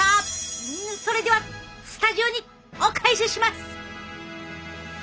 それではスタジオにお返しします！